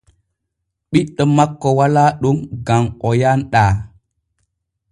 Ɓiɗɗo makko walaa ɗon gam o yanɗaa.